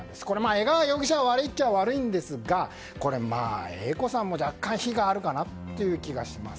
江川容疑者が悪いっちゃ悪いんですがＡ子さんも若干非があるかなという気がします。